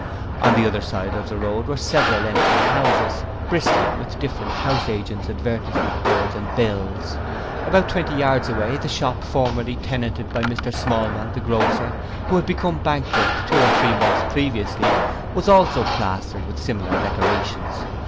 On the other side of the road were several empty houses, bristling with different house agents' advertisement boards and bills. About twenty yards away, the shop formerly tenanted by Mr Smallman, the grocer, who had become bankrupt two or three months previously, was also plastered with similar decorations.